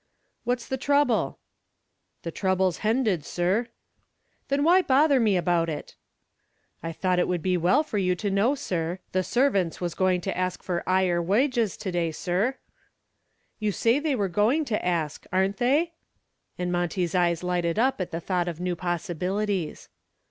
"What's the trouble?" "The trouble's h'ended, sir." "Then why bother me about it?" "I thought it would be well for you to know, sir. The servants was going to ask for 'igher wiges to day, sir." "You say they were going to ask. Aren't they?" And Monty's eyes lighted up at the thought of new possibilities.